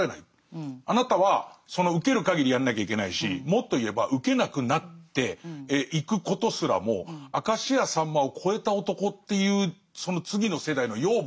あなたはそのウケるかぎりやんなきゃいけないしもっと言えばウケなくなっていくことすらも明石家さんまを超えた男っていうその次の世代の養分になる仕事があると。